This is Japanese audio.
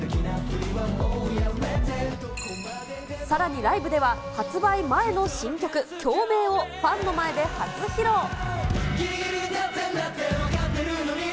さらにライブでは、発売前の新曲、共鳴をファンの前で初披露。